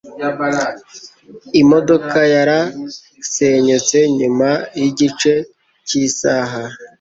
Imodoka yarasenyutse nyuma yigice cyisaha.